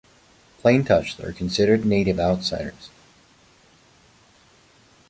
Planetouched are considered native outsiders.